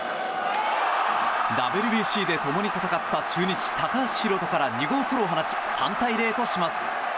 ＷＢＣで共に戦った中日、高橋宏斗から２号ソロを放ち３対０とします。